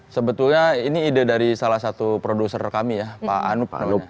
sebetulnya ini ide dari salah satu produser kami ya pak